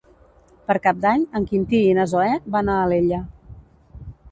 Per Cap d'Any en Quintí i na Zoè van a Alella.